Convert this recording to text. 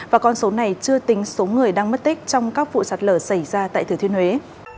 và con số này chưa tính số người đang mất tích trong các vụ sạt lở xảy ra tại thừa thuyên huế